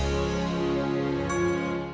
kau akan tahu sendiri